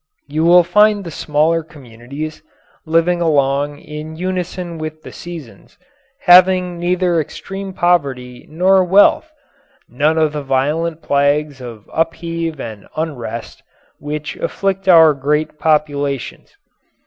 You will find the smaller communities living along in unison with the seasons, having neither extreme poverty nor wealth none of the violent plagues of upheave and unrest which afflict our great populations.